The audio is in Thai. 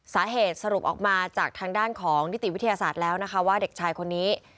สรุปออกมาจากทางด้านของนิติวิทยาศาสตร์แล้วนะคะว่าเด็กชายคนนี้